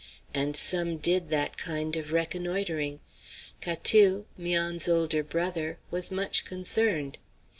And some did that kind of reconnoitring. Catou, 'Mian's older brother, was much concerned.